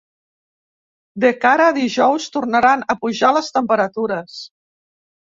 De cara a dijous tornaran a pujar les temperatures.